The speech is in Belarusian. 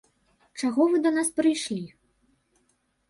Чаго вы да нас прыйшлі?